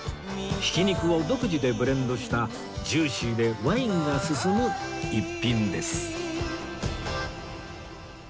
ひき肉を独自でブレンドしたジューシーでワインが進む一品です